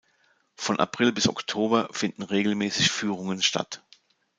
Von April bis Oktober finden regelmäßig Führungen statt.